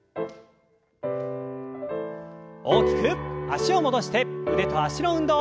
脚を戻して腕と脚の運動。